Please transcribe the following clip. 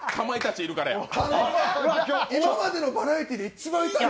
今までのバラエティーで一番痛い！